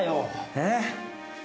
えっ？